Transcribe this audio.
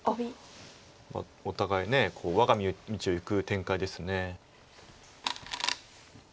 お互い我が道をいく展開です。